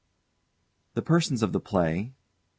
THE PERSONS OF THE PLAY MR.